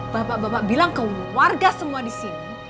bapak bilang ke warga semua disini